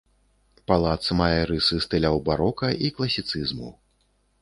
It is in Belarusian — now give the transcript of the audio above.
Палац мае рысы стыляў барока і класіцызму.